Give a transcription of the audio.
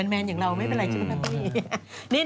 แมนอย่างเราไม่เป็นไรจริง